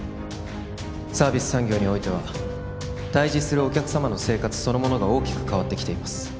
サービス産業においては対峙するお客様の生活そのものが大きく変わってきています